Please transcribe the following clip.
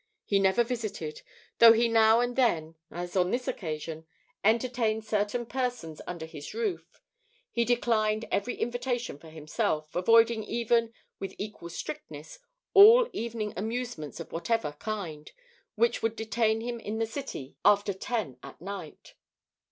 He never visited. Though he now and then, as on this occasion, entertained certain persons under his roof, he declined every invitation for himself, avoiding even, with equal strictness, all evening amusements of whatever kind, which would detain him in the city after ten at night.